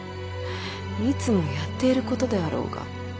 いつもやっていることであろうが。